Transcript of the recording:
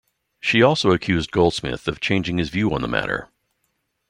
She also accused Goldsmith of changing his view on the matter.